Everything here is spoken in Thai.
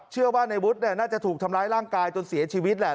เชื่อว่าในวุฒิน่าจะถูกทำร้ายร่างกายจนเสียชีวิตแหละ